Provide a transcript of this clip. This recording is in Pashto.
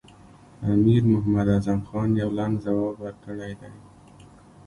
امیر محمد اعظم خان یو لنډ ځواب ورکړی دی.